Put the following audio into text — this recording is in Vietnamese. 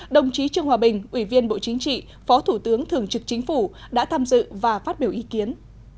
đồng chí trương hòa bình ủy viên bộ chính trị phó thủ tướng thường trực chính phủ đã tham dự và phát biểu ý kiến